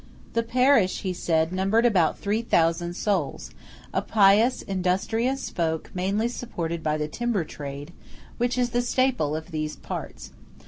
The parish, he said, numbered about three thousand souls–a pious, industrious folk mainly supported by the timber trade, which is the staple of these parts.